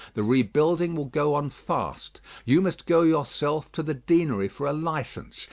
The rebuilding will go on fast. You must go yourself to the Deanery for a licence.